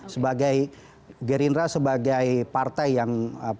sebagai gerindra sebagai partai yang